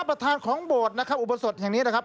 พระประธานของโบสถนะครับอุบวสดอย่างนี้นะครับ